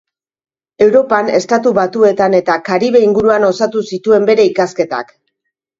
Europan, Estatu Batuetan eta Karibe inguruan osatu zituen bere ikasketak.